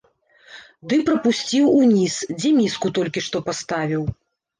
Ды прапусціў уніз, дзе міску толькі што паставіў.